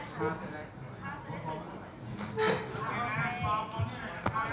ข้างข้างไม่ได้ข้างข้างไม่ได้